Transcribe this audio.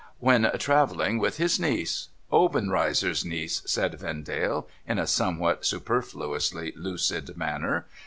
'When travelling with his Niece. Obenreizer's Niece,' said Vendale, in a somewhat superfluously lucid manner.